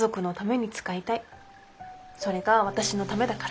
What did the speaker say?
それが私のためだから。